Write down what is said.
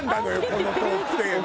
このトークテーマ。